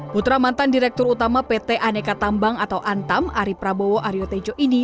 putra mantan direktur utama pt aneka tambang atau antam ari prabowo aryo tejo ini